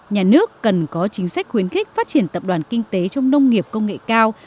nhà nước cần có chính sách khuyến khích phát triển tập đoàn kinh tế trong nông nghiệp công nghệ cao